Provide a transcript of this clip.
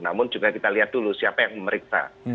namun juga kita lihat dulu siapa yang memeriksa